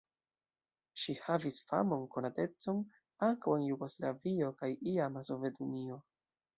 Ŝi havis famon, konatecon ankaŭ en Jugoslavio kaj iama Sovetunio.